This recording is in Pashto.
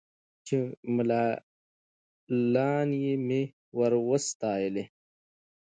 چي ملالیاني مي ور ستایلې